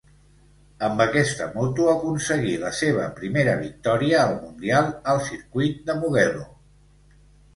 Amb aquesta moto, aconseguí la seva primera victòria al mundial al Circuit de Mugello.